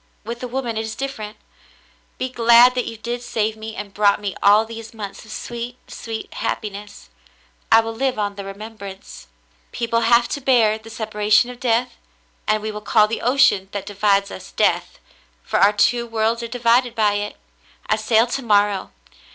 With a woman it is different. Be glad that you did save me and brought me all these months of sweet, sweet happiness. I will live on the remembrance. "People have to bear the separation of death, and we will call the ocean that divides us Death, for our two worlds are divided by it. I sail to morrow.